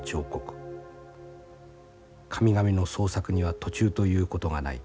神々の創作には途中ということがない。